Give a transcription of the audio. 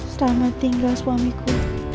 selamat tinggal suamiku